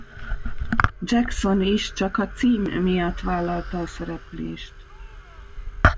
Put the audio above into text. Jackson is csak a cím miatt vállalta a szereplést.